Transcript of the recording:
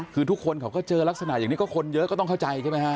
คือทุกคนเขาก็เจอลักษณะอย่างนี้ก็คนเยอะก็ต้องเข้าใจใช่ไหมฮะ